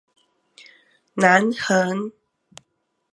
南橫